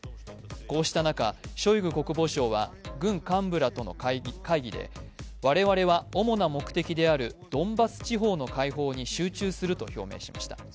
こうした中、ショイグ国防相は軍幹部らとの会議で我々は主な目的であるドンバス地方の解放に集中すると表明しました。